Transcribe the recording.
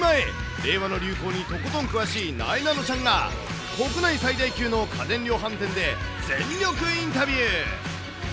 令和の流行にとことん詳しいなえなのちゃんが、国内最大級の家電量販店で、全力インタビュー。